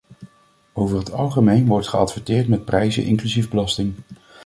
Over het algemeen wordt geadverteerd met prijzen inclusief belasting.